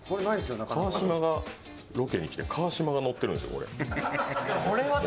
川島がロケに来て、川島が乗ってるんですよ、これ。